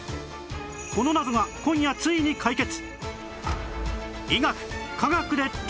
この謎が今夜ついに解決！